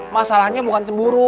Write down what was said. masalahnya bukan cemburu